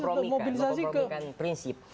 atau mengkompromikan prinsip